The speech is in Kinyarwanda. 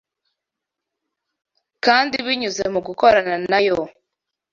kandi binyuze mu gukorana na Yo